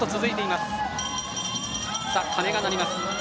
鐘が鳴ります。